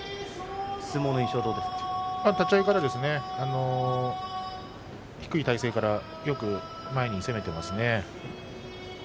立ち合いから低い体勢からよく前に攻めていますね。